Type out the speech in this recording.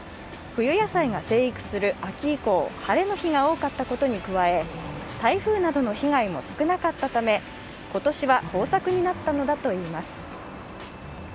冬野菜が成育する秋以降、晴れの日が多かったことに加え、台風などの被害も少なかったため今年は豊作になったのだといいます。